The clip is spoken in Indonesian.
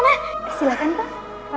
pak ferro silahkan